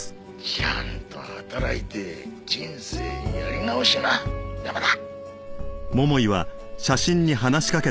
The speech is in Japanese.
ちゃんと働いて人生やり直しな山田。